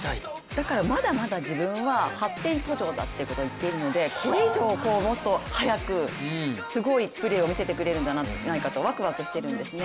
だからまだまだ自分は発展途上だということを言っているのでこれ以上もっと速くすごいプレーを見せてくれるんじゃないかとわくわくしてるんですね。